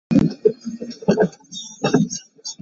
The corridors variously encompass road, rail and waterway routes.